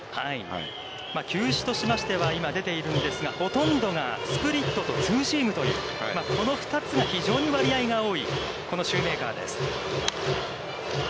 球種としましては、今出ているんですが、ほとんどがスプリットとツーシームというこの２つが非常に割合が多いこのシューメーカーです。